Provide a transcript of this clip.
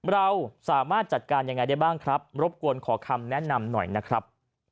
เราสามารถจัดการยังไงได้บ้างครับรบกวนขอคำแนะนำหน่อยนะครับ